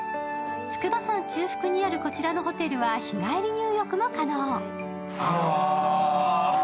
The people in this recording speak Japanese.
筑波山中腹にあるこちらのホテルは日帰り入浴も可能。